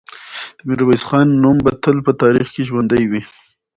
د میرویس خان نوم به تل په تاریخ کې ژوندی وي.